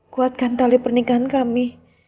kuatkan tali pernikahan kami